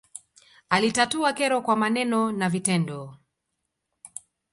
alitatua kero kwa maneno na vitendo